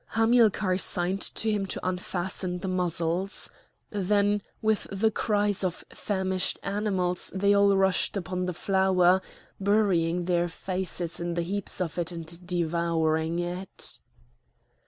Hamilcar signed to him to unfasten the muzzles. Then with the cries of famished animals they all rushed upon the flour, burying their faces in the heaps of it and devouring it.